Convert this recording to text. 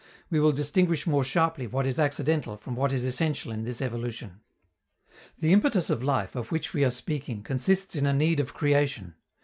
We will distinguish more sharply what is accidental from what is essential in this evolution. The impetus of life, of which we are speaking, consists in a need of creation.